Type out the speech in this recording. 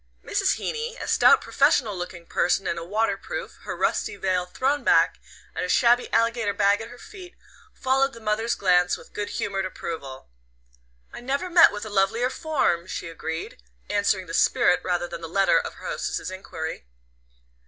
Mrs. Heeny, a stout professional looking person in a waterproof, her rusty veil thrown back, and a shabby alligator bag at her feet, followed the mother's glance with good humoured approval. "I never met with a lovelier form," she agreed, answering the spirit rather than the letter of her hostess's enquiry.